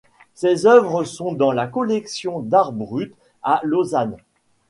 Ces œuvres sont dans la collection d'art brut à Lausanne.